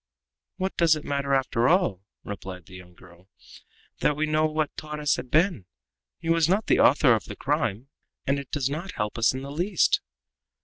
"What does it matter after all," replied the young girl, "that we know what Torres had been? He was not the author of the crime, and it does not help us in the least."